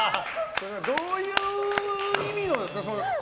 どういう意味のですか？